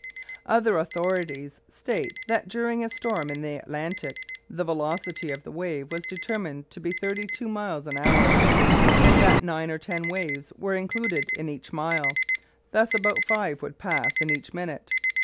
Other authorities state that during a storm in the Atlantic the velocity of the wave was determined to be thirty two miles an hour, and that nine or ten waves were included in each mile; thus about five would pass in each minute.